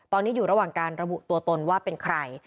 ตอนนี้อยู่ระหว่างการระบุตัวตนว่าเป็นใคร